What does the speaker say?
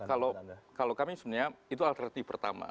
kalau kami sebenarnya itu alternatif pertama